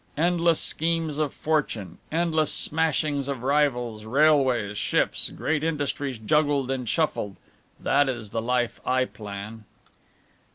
Endless schemes of fortune; endless smashings of rivals, railways, ships, great industries juggled and shuffled that is the life I plan."